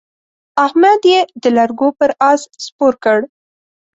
احمد يې د لرګو پر اس سپور کړ.